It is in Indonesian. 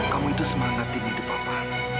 kamu itu semangat tinggi di hidup papa